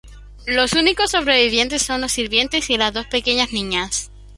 Los únicos sobrevivientes son los sirvientes y las dos pequeñas niñas.